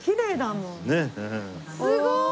すごーい！